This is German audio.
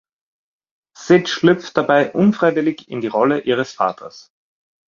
Sid schlüpft dabei unfreiwillig in die Rolle ihres Vaters.